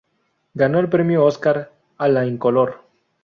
Ganó el premio Óscar a la en color.